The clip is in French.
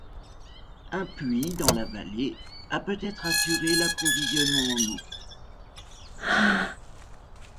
Un puits, dans la vallée, a peut-être assuré l'approvisionnement en eau.